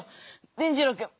伝じろうくん。